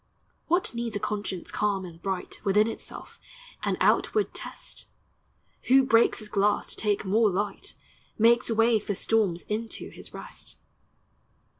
What needs a conscience calm and bright Within itself, an outward test? Who breaks his glass, to take more light, Makes way for storms into his rest.